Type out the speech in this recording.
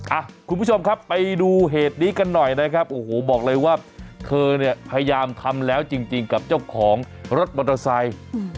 อ่ะคุณผู้ชมครับไปดูเหตุนี้กันหน่อยนะครับโอ้โหบอกเลยว่าเธอเนี่ยพยายามทำแล้วจริงกับเจ้าของรถมอเตอร์ไซค์